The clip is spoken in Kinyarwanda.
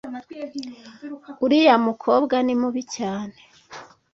uriya mukobwa nimubi cyane